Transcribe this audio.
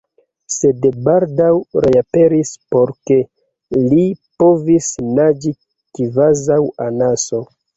sed baldaŭ reaperis por ke, li povis naĝi kvazaŭ anaso.